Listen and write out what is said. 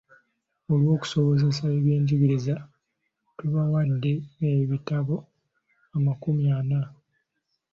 Olw'okusobozesa ebyenjigiriza tubawadde ebitabo amakumi ana.